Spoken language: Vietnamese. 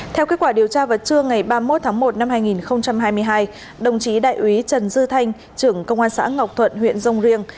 theo kết quả điều tra vào trưa ngày ba mươi một tháng một năm hai nghìn hai mươi hai đồng chí đại úy trần dư thanh trưởng công an xã ngọc thuận huyện dông riêng